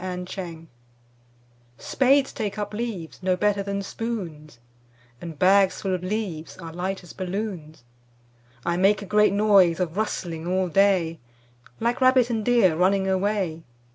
5 Autoplay Spades take up leaves No better than spoons, And bags full of leaves Are light as balloons. I make a great noise Of rustling all day Like rabbit and deer Running away.